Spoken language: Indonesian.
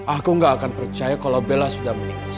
aku gak akan percaya kalau bella sudah menikah